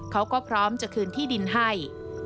เขาก็พร้อมจะคืนที่ดินให้